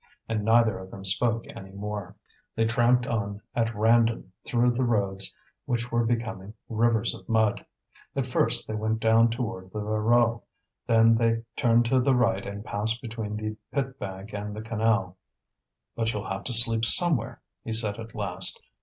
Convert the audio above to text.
And neither of them spoke any more; they tramped on at random through the roads which were becoming rivers of mud. At first they went down towards the Voreux; then they turned to the right and passed between the pit bank and the canal. "But you'll have to sleep somewhere," he said at last.